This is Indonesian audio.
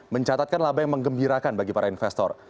mencatatkan laba yang mengembirakan bagi para investor